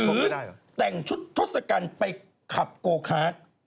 หรือแต่งชุดถ้อสกันไปขับโกครัส